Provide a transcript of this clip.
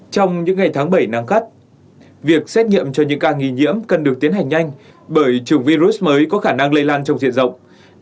trong những ngày tháng bảy nắng gắt việc xét nghiệm cho những ca nghi nhiễm cần được tiến hành nhanh bởi chủng virus mới có khả năng lây lan trong diện rộng